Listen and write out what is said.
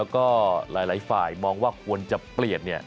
ก็หลายฝ่ายมองว่าควรจะเปลี่ยน